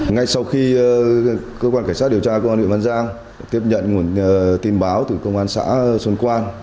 ngay sau khi cơ quan cảnh sát điều tra công an huyện văn giang tiếp nhận nguồn tin báo từ công an xã xuân quan